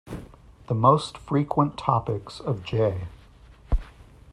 The most frequent topics of J.